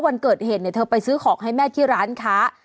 วันเกิดเหตุเนี่ยเธอไปซื้อของให้แม่ที่ร้านค้า